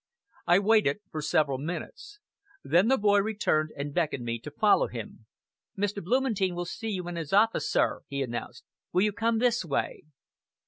I waited for several minutes. Then the boy returned, and beckoned me to follow him. "Mr. Blumentein will see you in his office, sir," he announced. "Will you come this way?"